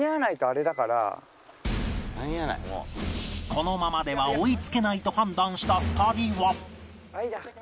このままでは追いつけないと判断した２人は